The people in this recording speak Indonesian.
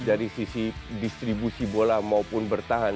dari sisi distribusi bola maupun bertahan